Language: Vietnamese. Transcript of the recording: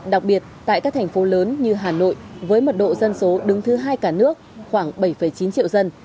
đặc biệt tại các thành phố lớn như hà nội với mật độ dân số đứng thứ hai cả nước khoảng bảy chín triệu dân